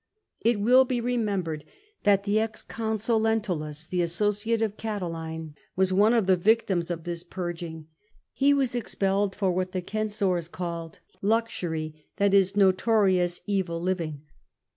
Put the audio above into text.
It will be remembered that the ex consul Lentulus, the associate of Catiline, was one of the victims of this purging; he was expelled for what the censors called 'luxury," Le, notorious evil living.